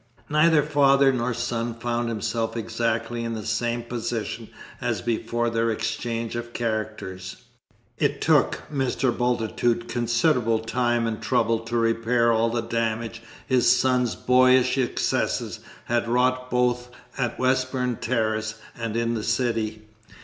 Neither father nor son found himself exactly in the same position as before their exchange of characters. It took Mr. Bultitude considerable time and trouble to repair all the damage his son's boyish excesses had wrought both at Westbourne Terrace and in the City.